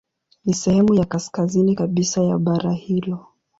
Ni sehemu ya kaskazini kabisa ya bara hilo.